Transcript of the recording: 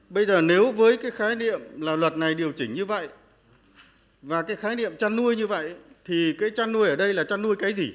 bây giờ nếu với cái khái niệm là luật này điều chỉnh như vậy và cái khái niệm chăn nuôi như vậy thì cái chăn nuôi ở đây là chăn nuôi cái gì